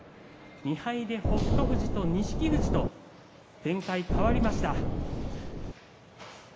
２敗で北勝富士と錦富士展開が変わりました。